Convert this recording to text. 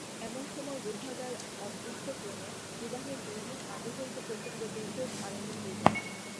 এমন সময় দুর্ভাগার অদৃষ্টক্রমে বিবাহের দুই দিন আগে হইতে প্রচণ্ড দুর্যোগ আরম্ভ হইল।